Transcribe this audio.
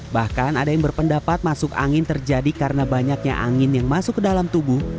bahkan ada yang berpendapat masuk angin terjadi karena banyaknya angin yang masuk ke dalam tubuh